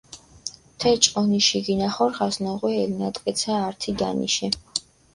თე ჭყონიში გინახორხას ნოღვე ელნატკეცა ართი განიშე.